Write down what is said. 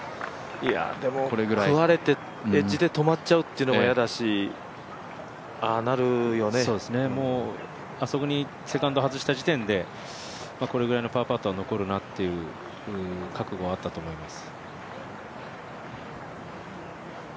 でも、くわれてエッジで止まっちゃうというのも嫌だしあそこにセカンド外した時点で、これぐらいのパーパットは残るなという覚悟はあったと思います。